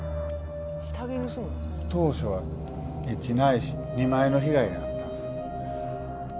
当初は１ないし２枚の被害があったんですよ。